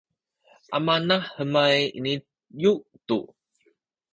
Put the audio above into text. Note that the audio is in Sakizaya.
amanahenay iniyu tu